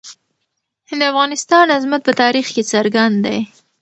د افغانستان عظمت په تاریخ کې څرګند دی.